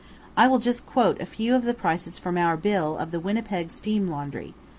I will just quote a few of the prices from our bill of the Winnipeg Steam Laundry.